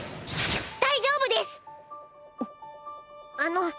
大丈夫です！あっ。